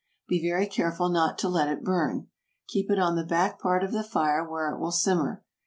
Be very careful not to let it burn. Keep it on the back part of the fire where it will simmer.